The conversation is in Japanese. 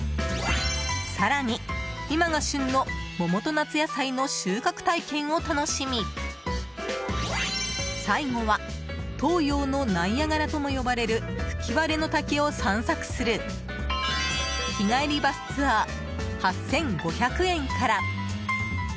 更に、今が旬の桃と夏野菜の収穫体験を楽しみ最後は、東洋のナイアガラとも呼ばれる吹割の滝を散策する日帰りバスツアー８５００円から。